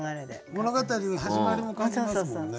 物語の始まりも感じますもんね。